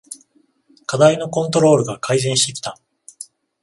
課題のコントロールが改善してきた